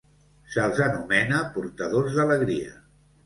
Se'ls anomena "portadors d'alegria".